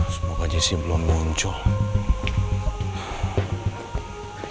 semoga jesse belum muncul